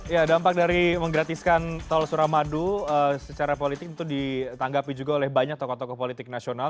ya dampak dari menggratiskan tol suramadu secara politik itu ditanggapi juga oleh banyak tokoh tokoh politik nasional